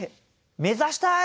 目指したい！